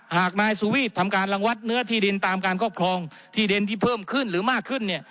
หากนายสูวีตทำการรังวัดเนื้อที่ดินตามการครอบครองที่ดินที่เพิ่มขึ้นหรือมากขึ้นเนี่ย